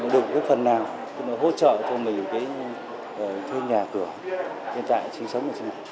đừng có phần nào hỗ trợ cho mình thuê nhà cửa hiện tại sinh sống